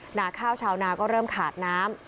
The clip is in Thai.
หน้าข้าวชาวนาก็เริ่มขาดน้ำ